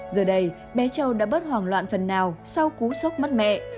giờ đây bé châu đã bớt hoảng loạn phần nào sau cú sốc mất mẹ